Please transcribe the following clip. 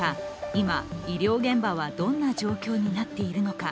今、医療現場はどんな状況になっているのか。